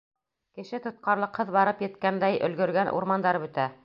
Кеше тотҡарлыҡһыҙ барып еткәндәй, өлгөргән урмандар бөтә.